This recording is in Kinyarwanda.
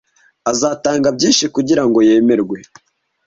azatanga byinshi kugira ngo yemerwe